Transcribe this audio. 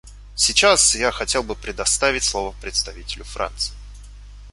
Сейчас я хотел бы предоставить слово представителю Франции.